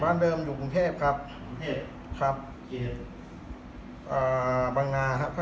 บ้านเดิมอยู่บรรเทพครับบรรเทพครับบรรเทพอ่าบางนาครับ